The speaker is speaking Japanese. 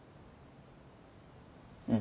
うん。